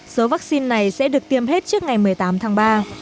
số vaccine này sẽ được tiêm hết trước ngày một mươi tám tháng ba